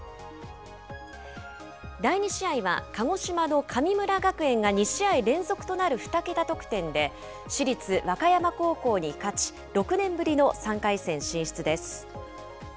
第２試合は、鹿児島の神村学園が２試合連続となる２桁得点で、市立和歌山高校に勝ち、６年ぶりの３回戦進出です。